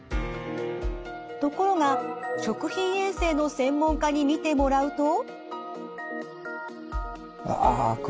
ところが食品衛生の専門家に見てもらうと。